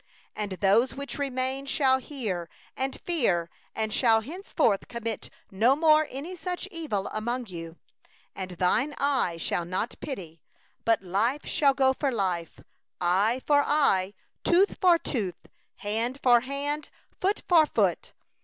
20And those that remain shall hear, and fear, and shall henceforth commit no more any such evil in the midst of thee. 21And thine eye shall not pity: life for life, eye for eye, tooth for tooth, hand for hand, foot for foot.